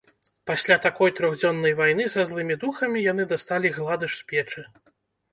Пасля такой трохдзённай вайны са злымі духамі яны дасталі гладыш з печы.